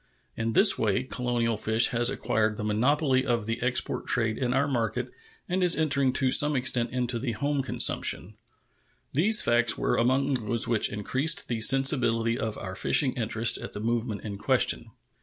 In this way colonial fish has acquired the monopoly of the export trade in our market and is entering to some extent into the home consumption. These facts were among those which increased the sensibility of our fishing interest at the movement in question.